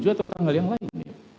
atau tanggal yang lain